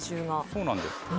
そうなんです。